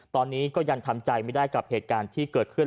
ตอนนี้ก็ยังทำใจไม่ได้กับเหตุการณ์ที่เกิดขึ้น